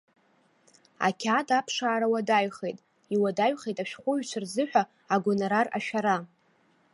Ақьаад аԥшаара уадаҩхеит, иуадаҩхеит ашәҟәыҩҩцәа рзыҳәа агонорар ашәара.